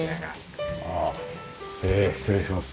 あっ失礼します。